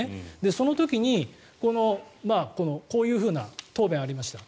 その時にこういうふうな答弁がありました。